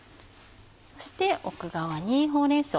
そして奥側にほうれん草。